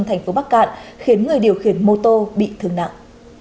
thành phố bắc cạn khiến người điều khiển mô tô bị thương nặng